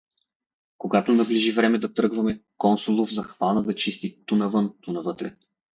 Когато наближи време да тръгваме, Консулов захвана да чести ту навън, ту навътре.